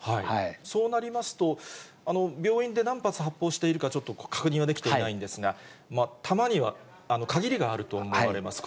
そうなりますと、病院で何発発砲しているかちょっと確認はできていないんですが、弾には限りがあると思われます。